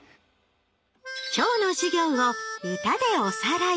今日の授業をうたでおさらい